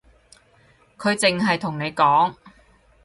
佢淨係同你講